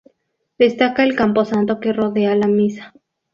Destaca el camposanto que rodea a la misma.